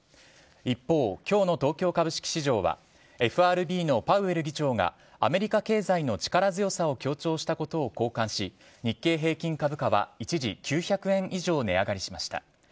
一方、今日の東京株式市場はＦＲＢのパウエル議長がアメリカ経済の力強さを強調したことを好感し日経平均株価は一時、９００円以上値上がりしました。